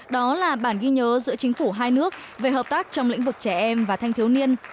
đó là bản ghi nhớ giữa chính phủ hai nước về hợp tác trong lĩnh vực trẻ em và thanh thiếu niên